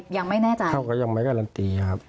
ยังไม่แน่ใจเขาก็ยังไม่การันตีครับ